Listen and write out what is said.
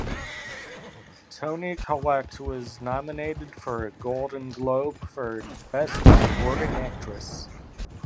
Toni Collette was nominated for a Golden Globe for best supporting actress.